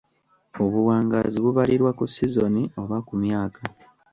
Obuwangaazi bubalirwa ku sizoni oba ku myaka.